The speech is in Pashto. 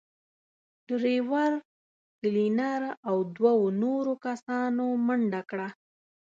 ډرېور، کلينر او دوو نورو کسانو منډه کړه.